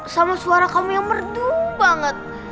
sama suara kami yang merdu banget